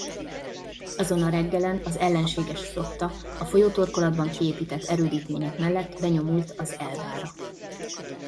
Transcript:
Azon a reggelen az ellenséges flotta a folyótorkolatban kiépített erődítmények mellett benyomult az Elbára.